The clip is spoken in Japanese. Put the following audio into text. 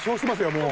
もう。